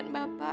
gue mau berpikir